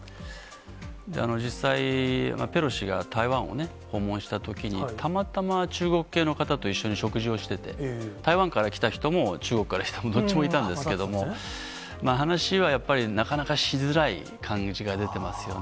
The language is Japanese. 実際、ペロシが台湾を訪問したときに、たまたま中国系の方と一緒に食事をしてて、台湾から来た人も、中国からの人もどっちもいたんですけれども、話はやっぱり、なかなかしづらい感じが出てますよね。